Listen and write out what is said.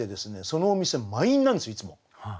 そのお店満員なんですよいつも。